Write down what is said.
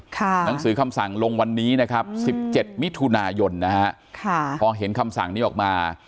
หนังสือคำสั่งลงวันนี้นะครับ๑๗มิถุนายนนะฮะพอเห็นคำสั่งนี้ออกมา